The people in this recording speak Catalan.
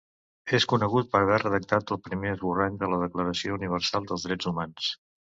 És conegut per haver redactat el primer esborrany de la Declaració Universal dels Drets Humans.